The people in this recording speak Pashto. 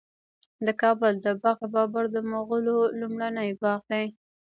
د کابل د باغ بابر د مغلو لومړنی باغ دی